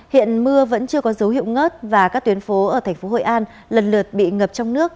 hiện mưa vẫn chưa có dấu hiệu ngớt và các tuyến phố ở thành phố hội an lần lượt bị ngập trong nước